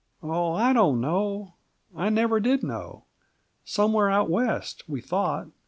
"Oh, I don't know! I never did know. Somewhere out West, we thought.